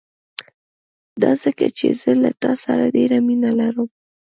دا ځکه چې زه له تا سره ډېره مينه لرم.